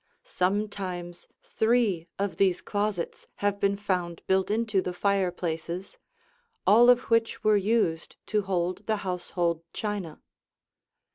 Sometimes three of these closets have been found built into the fireplaces, all of which were used to hold the household china.